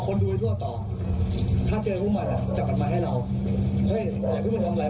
เฮ้ยอย่าเพิ่งมาทำอะไรกันนะเว้ยเราจะสอบส่วนมันเอง